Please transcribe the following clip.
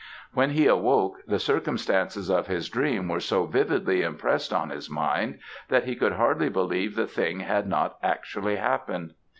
"When he awoke, the circumstances of his dream were so vividly impressed on his mind, that he could hardly believe the thing had not actually happened.